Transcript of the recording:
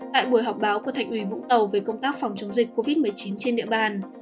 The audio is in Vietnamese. tại buổi họp báo của thành ủy vũng tàu về công tác phòng chống dịch covid một mươi chín trên địa bàn